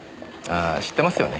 ああ知ってますよね。